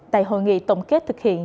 tại hội nghị tổng kết thực hiện